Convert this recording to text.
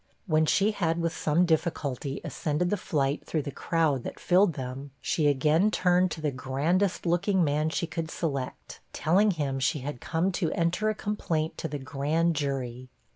When she had with some difficulty ascended the flight through the crowd that filled them, she again turned to the 'grandest ' looking man she could select, telling him she had come to enter a complaint to the Grand Jury.